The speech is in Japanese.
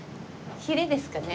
ヒレですかね。